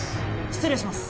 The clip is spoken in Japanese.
失礼します。